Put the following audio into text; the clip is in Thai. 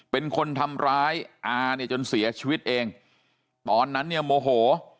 เป็นคนทำร้ายอาเนี่ยจนเสียชีวิตเองตอนนั้นเนี่ยโมโห